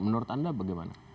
menurut anda bagaimana